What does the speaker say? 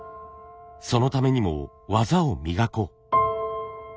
そのためにも技を磨こう。